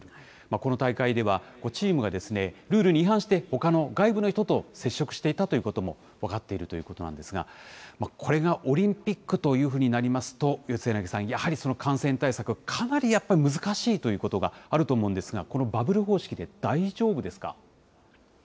この大会では、チームがルールに違反して、ほかの外部の人と接触していたということも分かっているということなんですが、これがオリンピックというふうになりますと、四柳さん、やはり感染対策、かなりやっぱり難しいということがあると思うんですが、このバブル方式で大丈夫ですか？